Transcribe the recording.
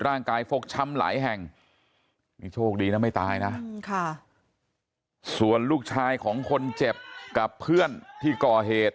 ฟกช้ำหลายแห่งนี่โชคดีนะไม่ตายนะส่วนลูกชายของคนเจ็บกับเพื่อนที่ก่อเหตุ